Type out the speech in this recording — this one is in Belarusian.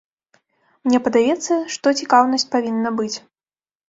Мне падаецца, што цікаўнасць павінна быць.